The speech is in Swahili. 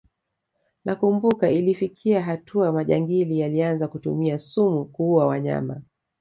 Nakumbuka ilifikia hatua majangili yalianza kutumia sumu kuua wanyama